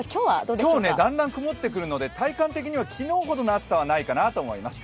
今日はだんだん曇ってくるので体感的には昨日ほどの暑さはないです。